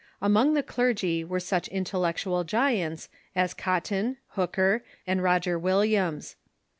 Among the clergy were such intellectual giants as Cotton, Hooker, and Roger Will iams.